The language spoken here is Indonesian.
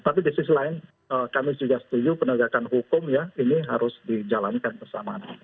tapi di sisi lain kami juga setuju penegakan hukum ya ini harus dijalankan bersamaan